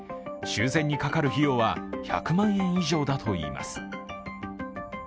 修繕にかかる費用は１００万円以上だといいます。